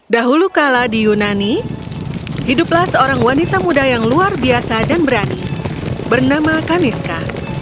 dahulu kala di yunani hiduplah seorang wanita muda yang luar biasa dan berani bernama kaniska